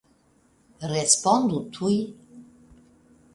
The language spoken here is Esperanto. Respondu tuj!